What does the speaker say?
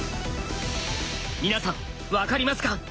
皆さん分かりますか？